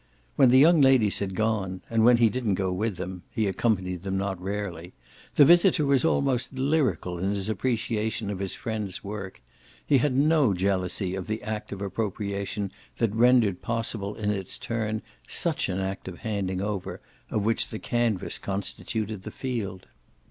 When the young ladies had gone and when he didn't go with them; he accompanied them not rarely the visitor was almost lyrical in his appreciation of his friend's work; he had no jealousy of the act of appropriation that rendered possible in its turn such an act of handing over, of which the canvas constituted the field.